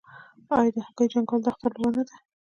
آیا د هګیو جنګول د اختر لوبه نه ده؟